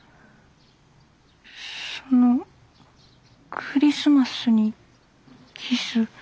そのクリスマスにキス。